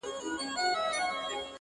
راته بدي یې ښکاریږي کږې غاړي-